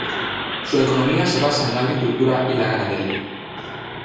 Su economía se basa en la agricultura y la ganadería..